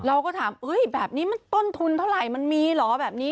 เราก็ถามแบบนี้มันต้นทุนเท่าไหร่มันมีเหรอแบบนี้